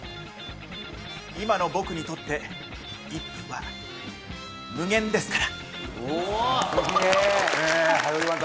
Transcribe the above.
今の僕にとって、１分は無限ですから。